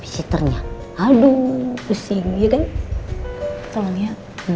pusing ya kan tolong ya